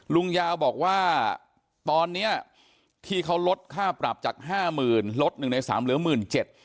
ลุงยาวบอกว่าตอนนี้ที่เขารดค่าปรับจาก๕หมื่นลด๑ใน๓เหลือ๑๗๐๐๐